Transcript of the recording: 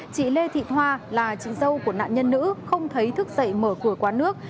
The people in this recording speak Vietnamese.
chị lê thị thoa là chị dâu của nạn nhân nữ không thấy thức dậy mở cửa quán nước